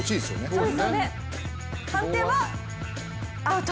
判定はアウト。